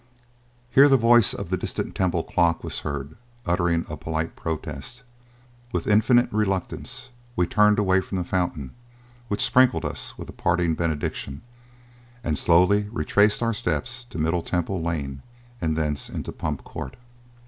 Here the voice of the distant Temple clock was heard uttering a polite protest. With infinite reluctance we turned away from the fountain, which sprinkled us with a parting benediction, and slowly retraced our steps to Middle Temple Lane and thence into Pump Court.